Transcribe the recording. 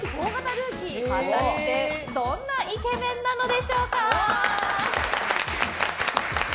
果たしてどんなイケメンなのでしょうか。